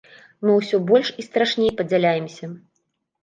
Мы ўсё больш і страшней падзяляемся.